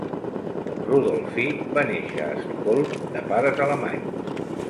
Rudolphi va néixer a Estocolm de pares alemanys.